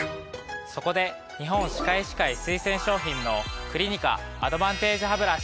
そこで日本歯科医師会推薦商品のクリニカアドバンテージハブラシ。